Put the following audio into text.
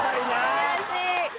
悔しい。